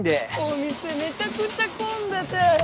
お店めちゃくちゃ混んでて。